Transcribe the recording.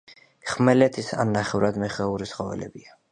ხმელეთის ან ნახევრად მეხეური ცხოველებია.